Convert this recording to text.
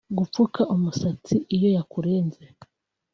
Gupfuka umusatsi iyo yakurenze